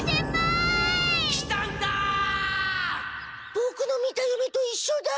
ボクの見た夢といっしょだ！